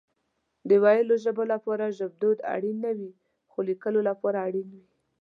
د ويلو ژبه لپاره ژبدود اړين نه وي خو ليکلو لپاره اړين وي